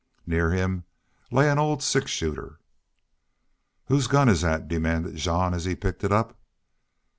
Near him lay an old six shooter. "Whose gun is that?" demanded Jean, as he picked it up.